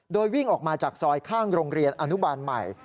โดยวิ่งออกมาจากซอยข้างโรงเรียนอนุบาลใหม่